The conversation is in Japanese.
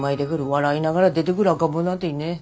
笑いながら出てくる赤ん坊なんていねー。